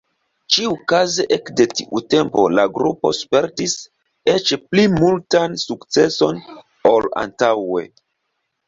Ĉiukaze ekde tiu tempo la grupo spertis eĉ pli multan sukceson ol antaŭe.